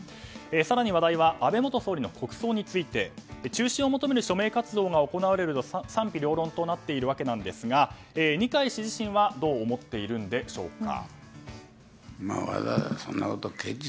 更に話題は安倍元総理の国葬について中止を求める署名活動が行われるなど賛否両論となっているわけですが二階氏自身はどう思っているんでしょうか。